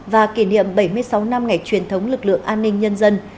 và kỷ niệm bảy mươi sáu năm ngày truyền thống lực lượng an ninh nhân dân